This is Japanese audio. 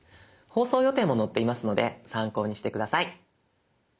放送予定も載っていますので参考にして下さい。